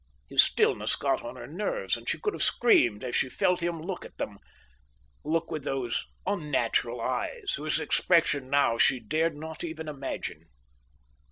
His stillness got on her nerves, and she could have screamed as she felt him look at them, look with those unnatural eyes, whose expression now she dared not even imagine.